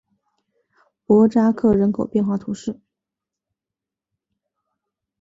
博扎克人口变化图示